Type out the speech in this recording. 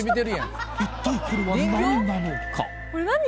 一体これは何なのか？